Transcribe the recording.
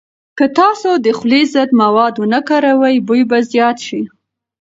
که تاسو د خولې ضد مواد ونه کاروئ، بوی به زیات شي.